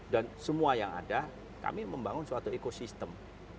dan semua yang ada kami membangun suatu ekosistem